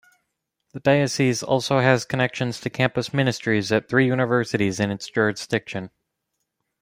The diocese also has connections to campus ministries at three universities in its jurisdiction.